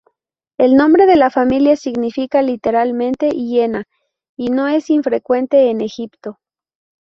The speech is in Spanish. El nombre de la familia significa literalmente "hiena" y no es infrecuente en Egipto.